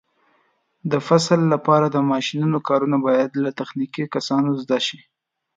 د فصل لپاره د ماشینونو کارونه باید له تخنیکي کسانو زده شي.